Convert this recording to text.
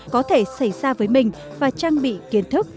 có thể xảy ra với mình và trang bị kiến thức